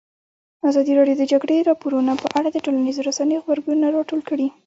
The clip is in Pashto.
ازادي راډیو د د جګړې راپورونه په اړه د ټولنیزو رسنیو غبرګونونه راټول کړي.